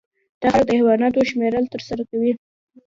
دا خلک د حیواناتو شمیرل ترسره کوي